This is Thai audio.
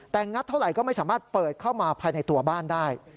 แต่งัดเท่าไหร่ก็ไม่สามารถเปิดเข้ามาภายในตัวบ้านได้